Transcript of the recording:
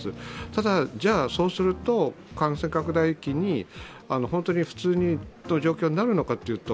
ただ、じゃそうすると感染拡大期に本当に普通の状況になるのかというと